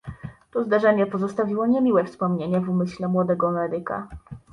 "To zdarzenie pozostawiło niemiłe wspomnienie w umyśle młodego medyka."